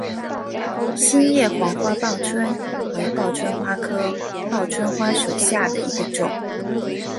心叶黄花报春为报春花科报春花属下的一个种。